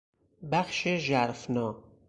بخش ژرفنا